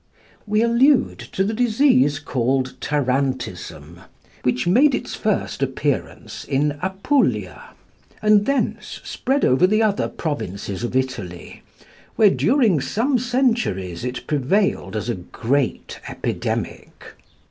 We allude to the disease called Tarantism, which made its first appearance in Apulia, and thence spread over the other provinces of Italy, where, during some centuries, it prevailed as a great epidemic.